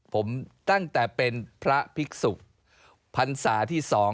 ผมตั้งแต่เป็นพระภิกษุพรรษาที่สอง